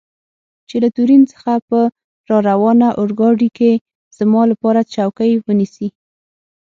چې له تورین څخه په راروانه اورګاډي کې زما لپاره چوکۍ ونیسي.